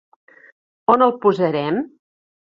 On el posarem?